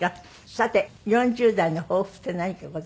さて４０代の抱負って何かございます？